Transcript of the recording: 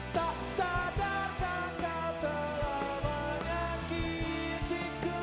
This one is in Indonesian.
tak sadarkan kau telah menyakitiku